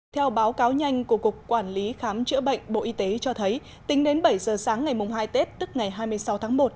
theo báo cáo nhanh của cục quản lý khám chữa bệnh bộ y tế cho thấy tính đến bảy giờ sáng ngày hai tết tức ngày hai mươi sáu tháng một